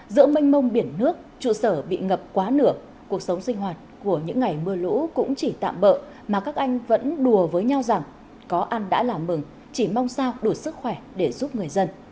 giữa mênh mông biển nước trụ sở bị ngập quá nửa cuộc sống sinh hoạt của những ngày mưa lũ cũng chỉ tạm bỡ mà các anh vẫn đùa với nhau rằng có ăn đã là mừng chỉ mong sao đủ sức khỏe để giúp người dân